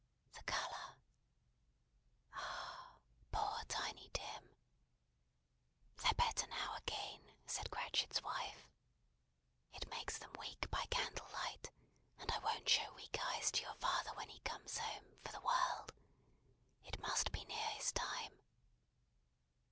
The colour? Ah, poor Tiny Tim! "They're better now again," said Cratchit's wife. "It makes them weak by candle light; and I wouldn't show weak eyes to your father when he comes home, for the world. It must be near his time."